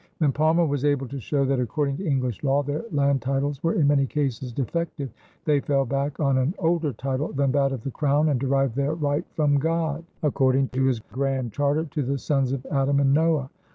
When Palmer was able to show that, according to English law, their land titles were in many cases defective, they fell back on an older title than that of the Crown and derived their right from God, "according to his Grand Charter to the Sons of Adam and Noah."